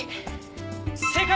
正解！